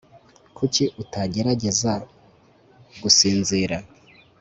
kuki utagerageza gusinzira